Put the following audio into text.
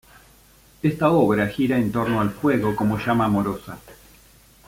Esta obra gira en torno al fuego como llama amorosa.